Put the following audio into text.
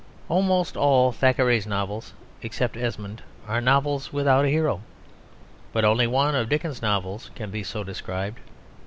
Almost all Thackeray's novels except Esmond are novels without a hero, but only one of Dickens's novels can be so described.